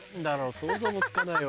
想像もつかないわ。